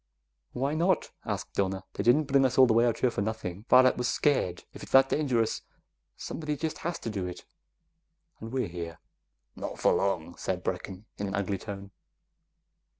"Why not?" asked Donna. "They didn't bring us all the way out here for nothing. Varret was scared. If it's that dangerous, somebody just has to do it and we're here!" "Not for long," said Brecken in an ugly tone.